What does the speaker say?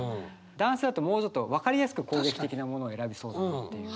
男性だともうちょっと分かりやすく攻撃的なものを選びそうだっていう。